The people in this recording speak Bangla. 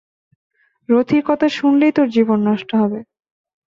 রথির কথা শুনলেই তোর জীবন নষ্ট হবে।